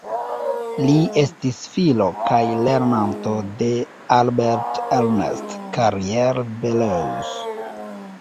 Li estis filo kaj lernanto de Albert-Ernest Carrier-Belleuse.